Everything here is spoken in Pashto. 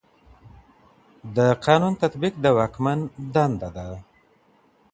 د قانون تطبیق د واکمن دنده ده.